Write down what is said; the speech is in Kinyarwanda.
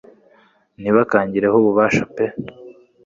ntibakangireho ububasha pee